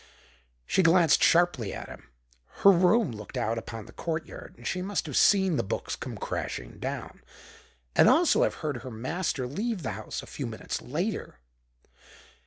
She glanced sharply at him. Her room looked out upon the courtyard, and she must have seen the books come crashing down, and also have heard her master leave the house a few minutes later.